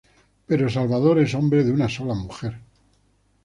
Pero Salvador es hombre de una sola mujer.